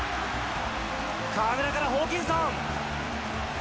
河村からホーキンソン。